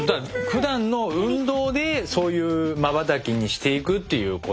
ふだんの運動でそういうまばたきにしていくっていうことですね。